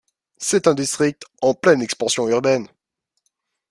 C'est un district en pleine expansion urbaine.